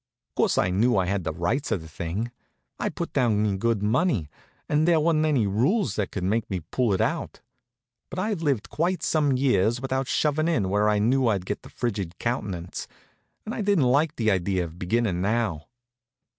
Course I knew I had the rights of the thing. I'd put down me good money, and there wa'n't any rules that could make me pull it out. But I've lived quite some years without shovin' in where I knew I'd get the frigid countenance, and I didn't like the idea of beginnin' now.